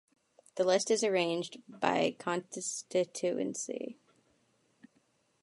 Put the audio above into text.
The list is arranged by constituency.